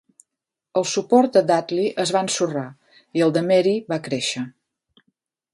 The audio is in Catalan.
El suport de Dudley es va ensorrar i el de Mary va créixer.